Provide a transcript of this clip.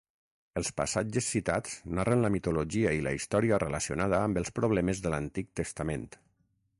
Els passatges citats narren la mitologia i la història relacionada amb els problemes de l'Antic Testament.